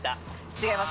違います。